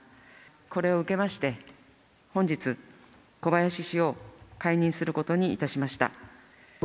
これを受けまして、本日、小林氏を解任することにいたしました。